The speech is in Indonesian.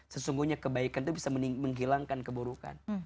sesungguhnya kebaikan itu bisa menghilangkan keburukan